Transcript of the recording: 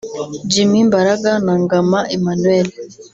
Jimmy Mbaraga na Ngama Emmanuel